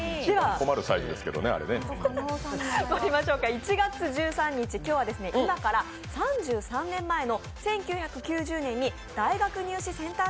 １月１３日、今日は今から３３年前の１９９０年に大学入試センター